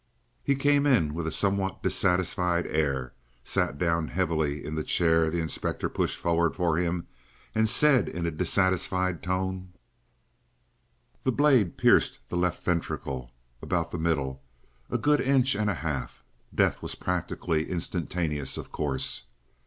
He came in with a somewhat dissatisfied air, sat down heavily in the chair the inspector pushed forward for him, and said in a dissatisfied tone: "The blade pierced the left ventricle, about the middle, a good inch and a half. Death was practically instantaneous, of course."